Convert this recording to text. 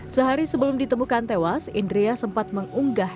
sehari sebelum ditemukan tewas indria sempat mengunggah